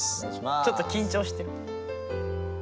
ちょっときん張してる。